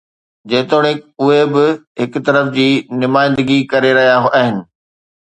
جيتوڻيڪ اهي به هڪ طرف جي نمائندگي ڪري رهيا آهن.